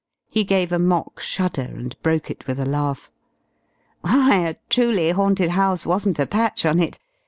He gave a mock shudder and broke it with a laugh. "Why, a truly haunted house wasn't a patch on it!